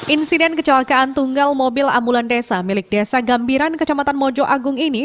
insiden kecelakaan tunggal mobil ambulan desa milik desa gambiran kecamatan mojo agung ini